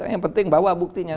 yang penting bawa buktinya